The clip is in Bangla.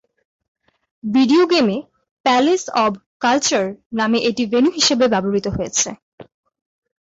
ভিডিও গেমে "প্যালেস অব কালচার" নামে এটি ভেন্যু হিসেবে ব্যবহৃত হয়েছে।